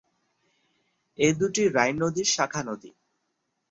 এই দুটি রাইন নদীর শাখা নদী।